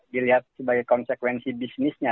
dilihat sebagai konsekuensi bisnisnya